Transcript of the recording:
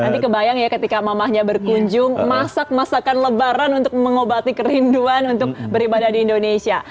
nanti kebayang ya ketika mamahnya berkunjung masak masakan lebaran untuk mengobati kerinduan untuk beribadah di indonesia